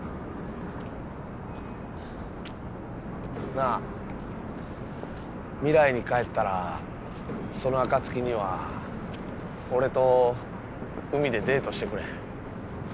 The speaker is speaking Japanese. なあ未来に帰ったらその暁には俺と海でデートしてくれへん？